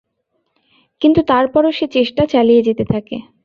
কিন্তু তারপরও সে চেষ্টা চালিয়ে যেতে থাকে।